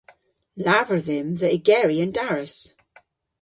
Lavar dhymm dhe ygeri an daras.